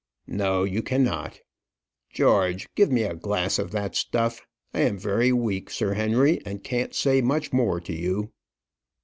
No, you cannot. George, give me a glass of that stuff. I am very weak, Sir Henry, and can't say much more to you."